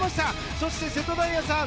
そして、瀬戸大也さん